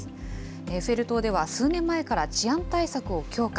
エッフェル塔では、数年前から治安対策を強化。